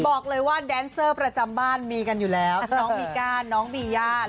บอกเลยว่าแดนเซอร์ประจำบ้านมีกันอยู่แล้วน้องบีก้าน้องบีย่า